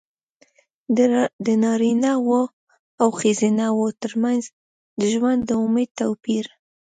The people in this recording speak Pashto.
د نارینه وو او ښځینه وو ترمنځ د ژوند د امید توپیر.